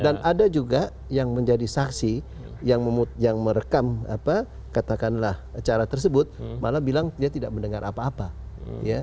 dan ada juga yang menjadi saksi yang merekam katakanlah acara tersebut malah bilang dia tidak mendengar apa apa